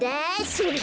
それ！